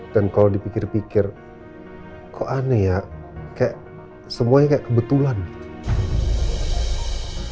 dan kalau dipikir pikir kok aneh ya kayak semuanya kayak kebetulan gitu